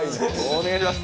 お願いします！